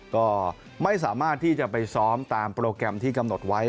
ก็ไม่สามารถที่จะไปซ้อมตามโปรแกรมที่กำหนดไว้